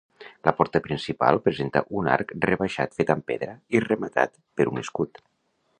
La porta principal presenta un arc rebaixat fet amb pedra i rematat per un escut.